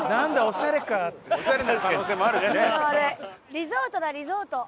リゾートだリゾート。